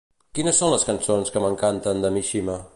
Quines són les cançons que m'encanten de Mishima?